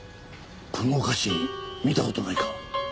このお菓子見た事ないか？